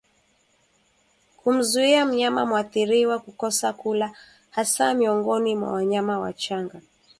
kumzuia mnyama mwathiriwa kukosa kula hasa miongoni mwa wanyama wachanga